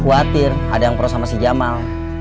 kamu kan khawatir ada yang peros sama si jamal